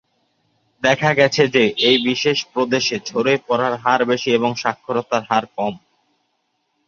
দেখা গেছে যে এই বিশেষ প্রদেশে ঝরে পড়ার হার বেশি এবং সাক্ষরতার হার কম।